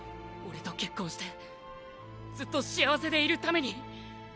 オレと結婚してずっと幸せでいるために。